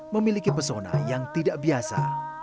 memiliki pesona yang tidak biasa